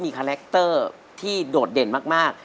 เพราะว่าเพราะว่าเพราะ